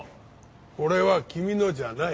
これは君のじゃない。